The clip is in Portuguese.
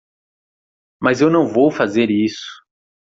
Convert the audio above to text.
Mas eu não vou fazer isso.